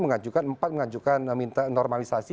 empat mengajukan normalisasi